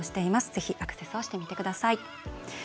ぜひアクセスしてみてください。